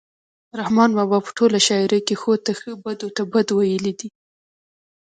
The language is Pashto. رحمان بابا په ټوله شاعرۍ کې ښو ته ښه بدو ته بد ویلي دي.